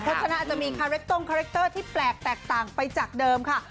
พรคณะจะมีคาแรกตรงคาแรกเตอร์ที่แปลกแตกต่างไปจากเดิมค่ะ